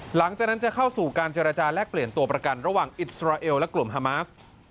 หลังจากนั้นจะเข้าสู่การเจรจาแลกเปลี่ยนตัวประกันระหว่างอิสราเอลและกลุ่มฮามาส